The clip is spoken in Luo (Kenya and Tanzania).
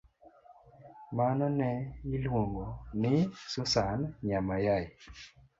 Mano ne Iluong'o ni Susan Nya Mayai